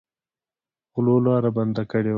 غلو لاره بنده کړې وه.